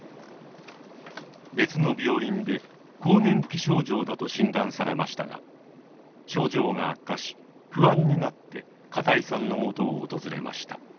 別の病院で更年期症状だと診断されましたが症状が悪化し不安になって片井さんのもとを訪れました。